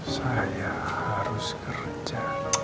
saya harus kerja